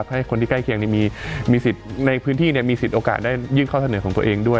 ให้คนที่ใกล้เคียงมีสิทธิ์ในพื้นที่มีสิทธิ์โอกาสได้ยื่นข้อเสนอของตัวเองด้วย